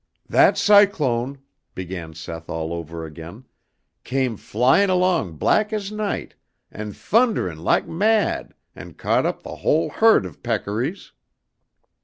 "That cyclone," began Seth all over again, "came flyin' along black as night and thunderin' laik mad and caught up the whole herd of peccaries.